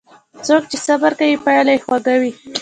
څوک چې صبر کوي، پایله یې خوږه وي.